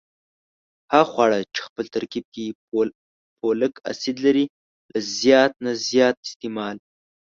هغه خواړه چې خپل ترکیب کې فولک اسید لري له زیات نه زیات استعمال